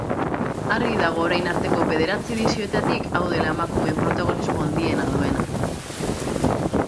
Argi dago orain arteko bederatzi edizioetatik hau dela emakumeen protagonismo handiena duena.